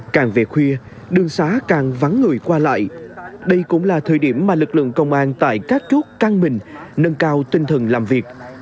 càng về khuya đường xá càng vắng người qua lại đây cũng là thời điểm mà lực lượng công an tại các chốt căng mình nâng cao tinh thần làm việc